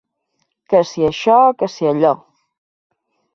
Que si això que si allò.